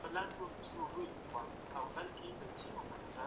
هغه څوک چي ظلم کوي، سزا ويني.